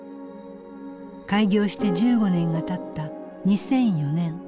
開業して１５年がたった２００４年。